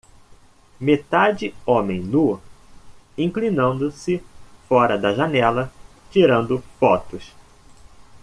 Metade homem nu, inclinando-se fora da janela, tirando fotos.